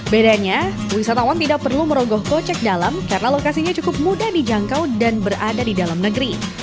bedanya wisatawan tidak perlu merogoh kocek dalam karena lokasinya cukup mudah dijangkau dan berada di dalam negeri